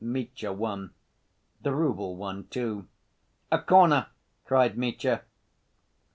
Mitya won. The rouble won, too. "A corner!" cried Mitya.